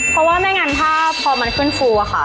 เพราะว่าไม่งั้นถ้าพอมันขึ้นฟูอะค่ะ